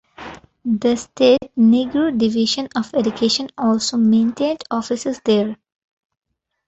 The state Negro Division of Education also maintained offices there.